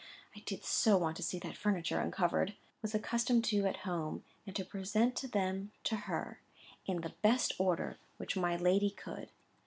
I did so want to see that furniture uncovered!) was accustomed to at home, and to present them to her in the best order in which my lady could.